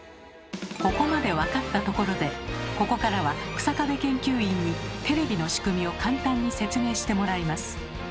ここまで分かったところでここからは日下部研究員にテレビの仕組みを簡単に説明してもらいます。